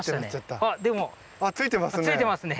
ああついてますね！